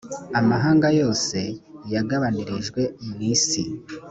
amahanga yose yagabanirijwe mu isi